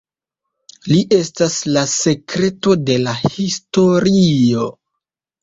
Li estas la sekreto de la historio.